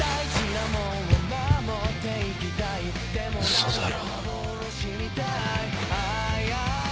嘘だろ。